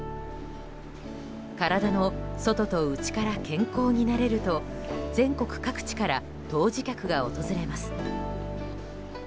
体の外と内から健康になれると全国各地から湯治客が訪れます。